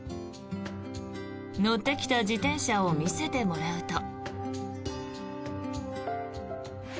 乗ってきた自転車を見せてもらうと。